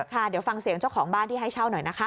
ค่ะเดี๋ยวฟังเสียงเจ้าของบ้านที่ให้เช่าหน่อยนะคะ